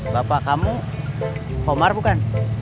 bapak kamu komar bukan